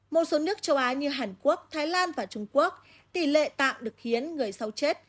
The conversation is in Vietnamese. một số nước châu á như hàn quốc thái lan và trung quốc tỷ lệ tạng được khiến người sau chết